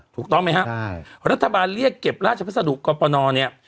ถูกต้องไหมครับรัฐบาลเรียกเก็บราชพัสดุกรปนเนี่ย